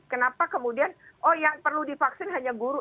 kenapa kemudian oh yang perlu divaksin hanya guru